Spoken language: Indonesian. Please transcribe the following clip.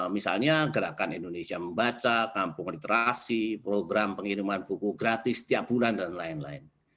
misalnya gerakan indonesia membaca kampung literasi program pengiriman buku gratis setiap bulan dan lain lain